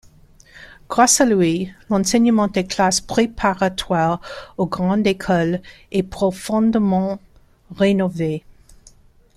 Grâce à lui, l'enseignement des Classes préparatoires aux grandes écoles est profondément rénové.